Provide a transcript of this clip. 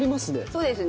そうですね。